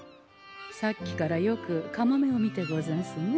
さっきからよくカモメを見てござんすね。